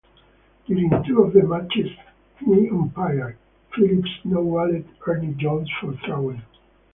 During two of the matches he umpired, Phillips no-balled Ernie Jones for throwing.